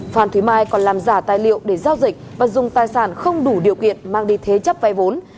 phan thế mai còn làm giả tài liệu để giao dịch và dùng tài sản không đủ điều kiện mang đi thế chấp vay vốn